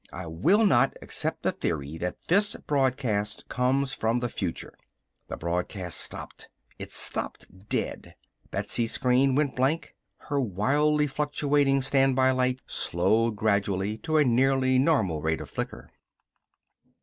I will not accept the theory that this broadcast comes from the future!" The broadcast stopped. It stopped dead. Betsy's screen went blank. Her wildly fluctuating standby light slowed gradually to a nearly normal rate of flicker.